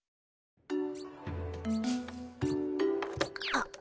あっ。